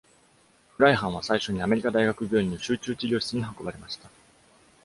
フライハンは最初にアメリカ大学病院の集中治療室に運ばれました。